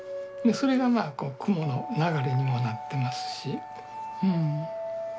それがまあ雲の流れにもなってますし。